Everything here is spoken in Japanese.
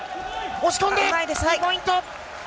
押し込んで２ポイント。